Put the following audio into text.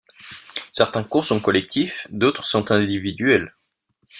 Certains cours sont collectifs, d'autres sont individuels.